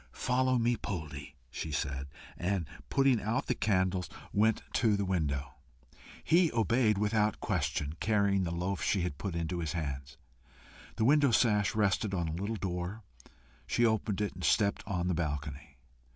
"Follow me, Poldie," she said, and putting out the candles, went to the window. He obeyed without question, carrying the loaf she had put into his hands. The window sash rested on a little door; she opened it, and stepped on the balcony.